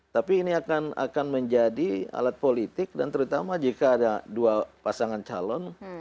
tapi ini akan menjadi alat politik dan terutama jika ada dua pasangan calon